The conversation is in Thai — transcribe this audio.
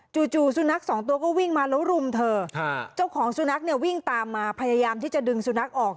จู่สุนัขสองตัวก็วิ่งมาแล้วรุมเธอเจ้าของสุนัขเนี่ยวิ่งตามมาพยายามที่จะดึงสุนัขออก